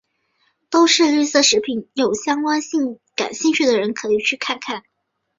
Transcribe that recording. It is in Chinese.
都是绿色食品有相关感兴趣的人可以去看看。